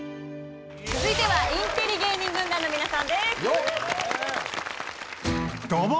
続いてはインテリ芸人軍団の皆さんです。